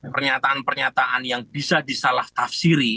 pernyataan pernyataan yang bisa disalah tafsiri